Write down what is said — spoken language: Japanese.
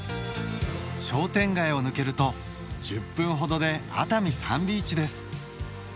商店街を抜けると１０分ほどで熱海サンビーチです。